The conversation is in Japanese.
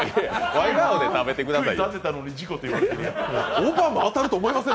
笑顔で食べてくださいよ。